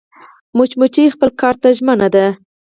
مچمچۍ خپل کار ته ژمنه ده